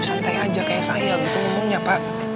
santai aja kayak saya gitu ngomongnya pak